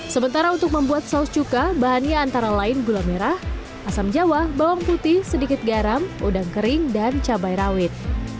sementara untuk membuat saus cuka bahannya antara lain gula merah asam jawa bawang putih sedikit garam udang kering dan cabai rawit